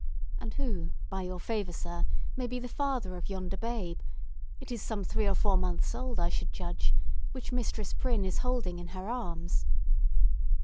And who, by your favour, Sir, may be the father of yonder babe—it is some three or four months old, I should judge—which Mistress Prynne is holding in her arms?"